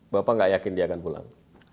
bagaimana mereka akan pulang